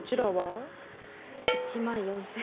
１万４０００。